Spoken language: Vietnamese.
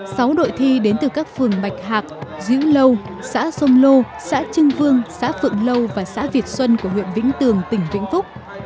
sáu đội thi đến từ các phường bạch hạc dĩu lâu xã sông lô xã trưng vương xã phượng lâu và xã việt xuân của huyện vĩnh tường tỉnh vĩnh phúc